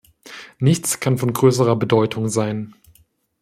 Nichts kann von größerer Bedeutung sein.